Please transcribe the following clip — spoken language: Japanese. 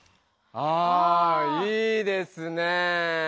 あいいですねぇ。